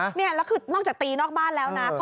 นี่แล้วคือนอกจากตีนอกบ้านแล้วนะ